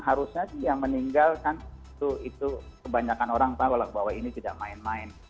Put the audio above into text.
harusnya dia meninggalkan itu kebanyakan orang tahu lah bahwa ini tidak main main